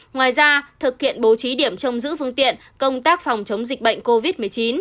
ngoài ra thực hiện bố trí điểm trông giữ phương tiện công tác phòng chống dịch bệnh covid một mươi chín